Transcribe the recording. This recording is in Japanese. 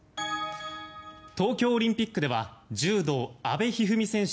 東京オリンピックでは柔道、阿部一二三選手